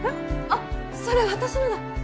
あっそれ私のだ